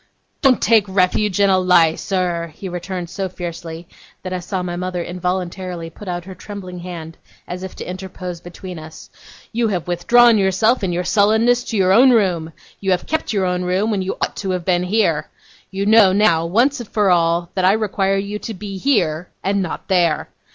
'Don't take refuge in a lie, sir!' he returned so fiercely, that I saw my mother involuntarily put out her trembling hand as if to interpose between us. 'You have withdrawn yourself in your sullenness to your own room. You have kept your own room when you ought to have been here. You know now, once for all, that I require you to be here, and not there.